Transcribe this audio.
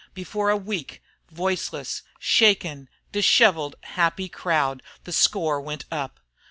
Before a weak, voiceless, shaken, dishevelled, happy crowd the score went up.